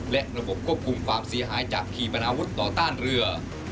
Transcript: และระบบควบคุมความเสียหายจากขี่ปนาวุธต่อต้านเรือ